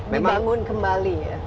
dibangun kembali ya